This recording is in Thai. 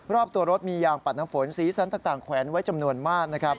รอบตัวรถมียางปัดน้ำฝนสีสันต่างแขวนไว้จำนวนมากนะครับ